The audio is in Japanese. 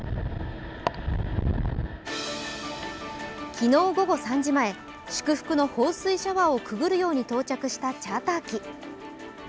昨日午後３時前、祝福の放水シャワーをくぐるように到着したチャーター機。